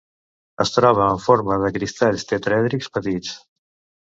Es troba en forma de cristalls tetraèdrics petits.